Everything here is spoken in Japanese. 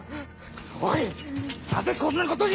おいなぜこんなことになった！